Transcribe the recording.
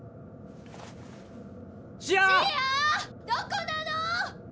どこなの！